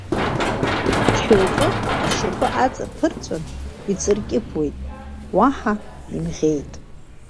Шьоукы ашьапы аҵаԥырҵәан, ицыркьыԥуеит, уаҳа имӷьеит.